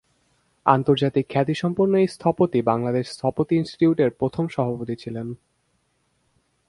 আন্তর্জাতিক খ্যাতিসম্পন্ন এই স্থপতি বাংলাদেশ স্থপতি ইনস্টিটিউটের প্রথম সভাপতি ছিলেন।